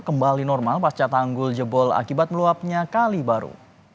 kembali normal pasca tanggul jebol akibat meluapnya kali baru